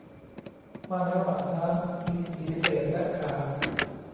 ม่านในห้องอาบน้ำมีสีเบจและขาว